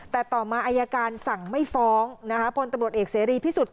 แต่ต่อมาอายการสั่งไม่ฟ้องพลตำรวจเอกเสรีพิสุทธิ์